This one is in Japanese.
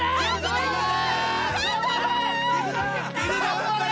頑張れ！